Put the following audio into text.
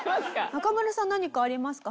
中村さん何かありますか？